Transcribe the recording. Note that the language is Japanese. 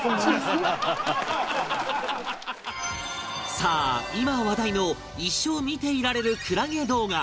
さあ今話題の一生見ていられるクラゲ動画